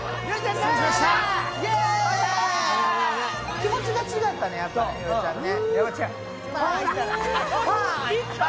気持ちが違ったね、やっぱり、ひよりちゃんね。